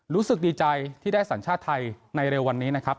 รู้สึกดีใจที่ได้สัญชาติไทยในเร็ววันนี้นะครับ